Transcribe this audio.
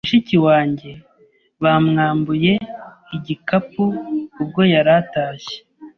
Mushiki wanjye bamwambuye igikapu ubwo yari atashye.